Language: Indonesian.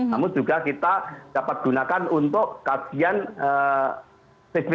namun juga kita dapat gunakan untuk kasihan sejarah